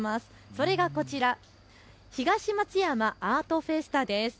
それがこちら、ひがしまつやまアートフェスタです。